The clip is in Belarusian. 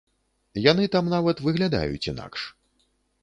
Яны там нават выглядаюць інакш.